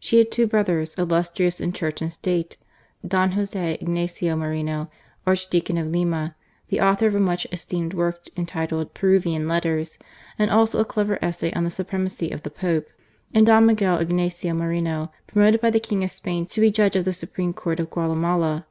She had two brothers, illustrious in Church and State : Don Joseph Ignatius Moreno, Archdeacon of Lima, the author of a much esteemed work entitled Peruvian Letters, and also a clever essay on the Supremacy of the Pope; and Don Michael Ignatius Moreno, promoted by the King of Spain to be Judge of the Supreme Court of Guatemala.